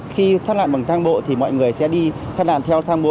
khi thắt nạn bằng thang bộ thì mọi người sẽ đi thắt nạn theo thang bộ